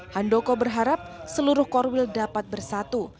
handoko berharap seluruh korwil dapat bersatu